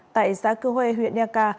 tại xã cư huê huyện niaca